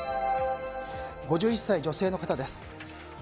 ５１歳、女性の方です。